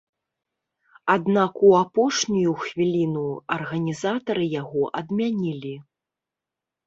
Аднак у апошнюю хвіліну арганізатары яго адмянілі.